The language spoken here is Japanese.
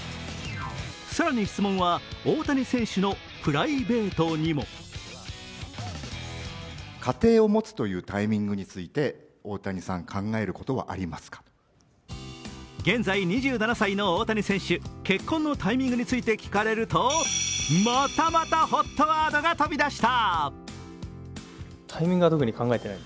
更に質問は大谷選手のプライベートにも現在２７歳の大谷選手、結婚のタイミングについて聞かれると、またまたＨＯＴワードが飛び出した。